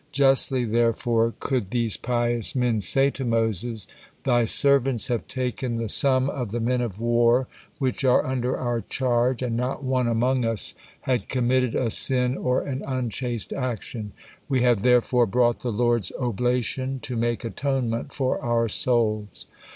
Justly therefore could these pious men say to Moses: "Thy servants have taken the sum of the men of war which are under our charge, and not one among us had committed a sin or an unchaste action. We have therefore brought the Lord's oblation to make atonement for our souls."